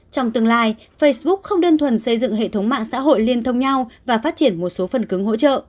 trong tương lai facebook không đơn thuần xây dựng hệ thống mạng xã hội liên thông nhau và phát triển một số phần cứng hỗ trợ